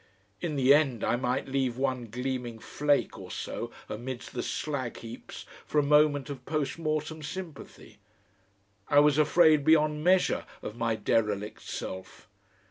In the end I might leave one gleaming flake or so amidst the slag heaps for a moment of postmortem sympathy. I was afraid beyond measure of my derelict self.